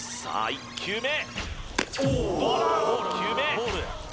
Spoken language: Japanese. １球目どうだ？